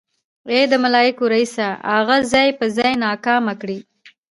ای د ملايکو ريسه اغه ځای په ځای ناکامه کړې.